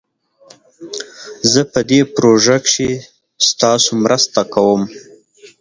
زه په دي پروژه کښي ستاسو مرسته کووم